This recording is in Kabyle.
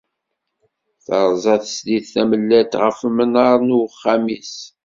Terẓa teslit tamellalt ɣef umnar n uxxam-is.